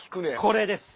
これです！